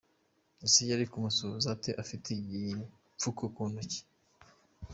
ese yari kumusuhuza ate afite igipfuko ku ntoki ?